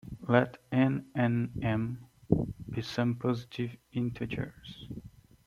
Let "n" and "m" be some positive integers.